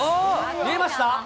見えました？